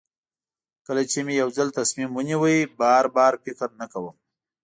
کله چې مې یو ځل تصمیم ونیو بار بار فکر نه کوم.